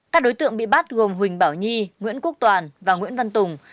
các đối tượng bị bắt gồm huỳnh bảo nhi nguyễn quốc toàn và nguyễn văn tùng